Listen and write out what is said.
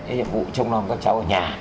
những nhiệm vụ trông nòng các cháu ở nhà